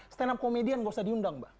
stand up komedian nggak usah diundang mbak